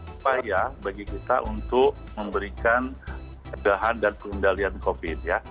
supaya bagi kita untuk memberikan keberadaan dan pengendalian covid sembilan belas